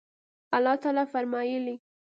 الله تعالى فرمايي